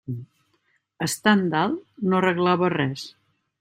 Estant dalt no arreglava res.